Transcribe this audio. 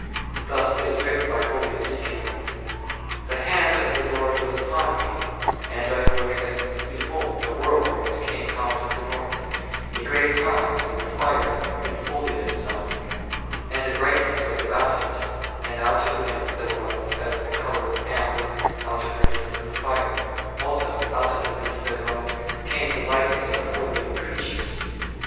Thus it is written by holy Ezekiel, The hand of the Lord was upon me, and I looked, and behold, a whirl wind came out of the north, a great cloud, and a fire infolding itself, and a brightness was about it, and out of the midst thereof as the colour of amber out of the midst of the fire ; also out of the midst thereof came the o o likeness of four living creatures.